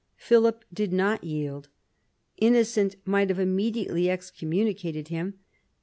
Philip did not yield. Innocent might have immediately excommunicated him.